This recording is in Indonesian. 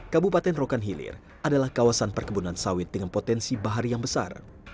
kabupaten rokan hilir adalah kawasan perkebunan sawit dengan potensi bahari yang besar